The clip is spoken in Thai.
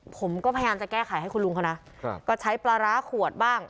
ผมก็พยายามจะแก้ไขให้คุณลุงเขานะก็ใช้ปลาร้าขวดบ้าง